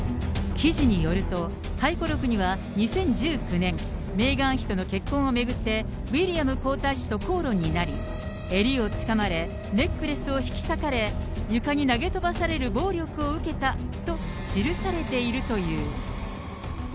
記事によると、回顧録には２０１９年、メーガン妃との結婚を巡って、ウィリアム皇太子と口論になり、襟をつかまれ、ネックレスを引き裂かれ、床に投げ飛ばされる暴力を受けたと記されているという。